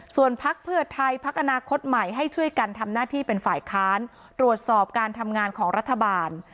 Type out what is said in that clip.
ส่วนพักเพื่อไทยพักอนาคตใหม่ให้ช่วยกันทำหน้าที่เป็นฝ่ายค้านตรวจสอบการทำงานของรัฐบาล